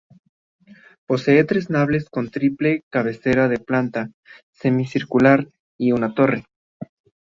Posee tres naves con triple cabecera de planta semicircular y una torre.